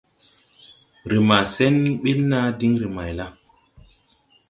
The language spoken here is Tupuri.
Re ma sen ɓil naa diŋ re mayla? ».